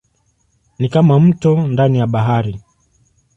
Ni kama mto ndani ya bahari.